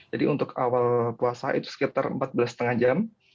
jadi untuk awal puasa itu sekitar empat belas lima jam